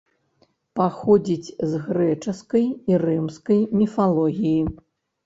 Паходзіць з грэчаскай і рымскай міфалогіі.